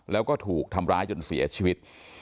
แล้วก็ถูกทำร้ายจนเสียชีวิต